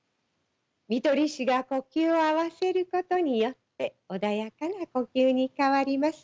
看取り士が呼吸を合わせることによって穏やかな呼吸に変わります。